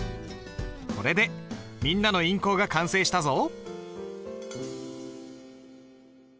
これでみんなの印稿が完成したぞ。